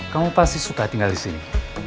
kamu pasti suka tinggal disini